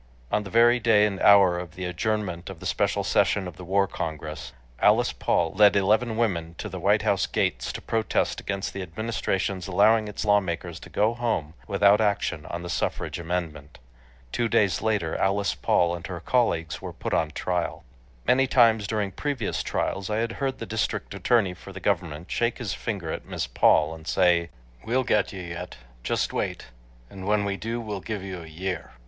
On the very day and hour of the adjournment of the special session of the War Congress, Alice Paul led eleven women to the White House gates to protest against the Administration's allowing its lawmakers to go home without action on the suffrage amendment. Two days later Alice Paul and her colleagues were put on trial. Many times during previous trials I had heard the District Attorney for the government shake his finger at Miss Paul and say, "We'll get you yet .... Just wait; and when we do, we'll give you a year!"